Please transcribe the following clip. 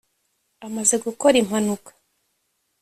Amaze gukora impanuka